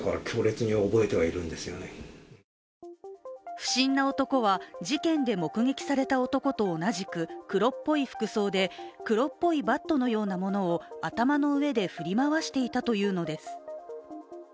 不審な男は事件で目撃された男と同じく黒っぽい服装で黒っぽいバットのようなものを頭の上で振り回していたというのです。